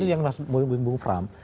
bukan itu yang mas buing buing pram